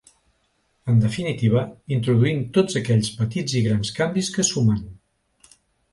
En definitiva, introduint tots aquells petits i grans canvis que sumen.